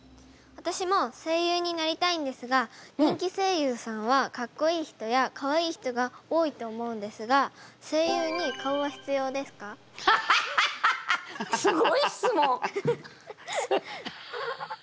私も声優になりたいんですが人気声優さんはかっこいい人やかわいい人が多いと思うんですがハハハハハッ！